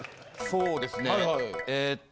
そうですねえっと